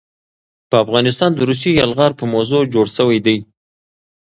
په افغانستان د روسي يلغار په موضوع جوړ شوے دے